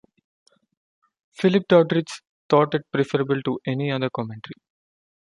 Philip Doddridge thought it preferable to any other commentary.